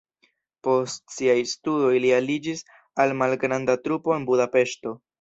Post siaj studoj li aliĝis al malgranda trupo en Budapeŝto.